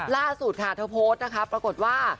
ล่าสุดค่ะเธอโพสต์นะคะปรากฏว่า